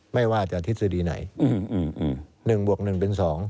ไม่ว่าจะทฤษฎีไหน๑บวก๑เป็น๒